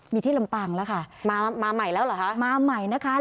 มีที่ลำปางแล้วค่ะมามาใหม่แล้วเหรอคะมาใหม่นะคะ